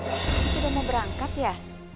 ini sudah mau berangkat ya